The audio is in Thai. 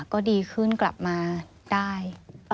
ก็ดีขึ้นกลับมาได้